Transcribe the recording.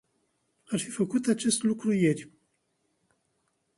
Ar fi făcut acest lucru ieri.